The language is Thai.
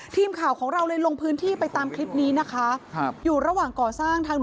ทีมข่าวของเราเลยลงพื้นที่ไปตามคลิปนี้นะคะ